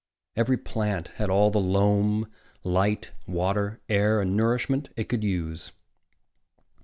Every plant had all the loam, light, water, air and nourishment it could use.